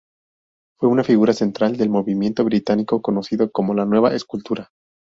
Fue una figura central del movimiento británico conocido como la Nueva Escultura.